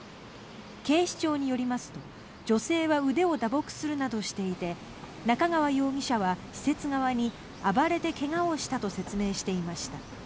警視庁によりますと女性は腕を打撲するなどしていて中川容疑者は、施設側に暴れて怪我をしたと説明していました。